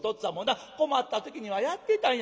困った時にはやってたんや。